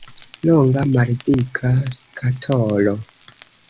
Longa, maldika skatolo.